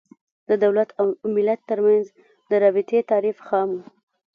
د دولت او ملت تر منځ د رابطې تعریف خام و.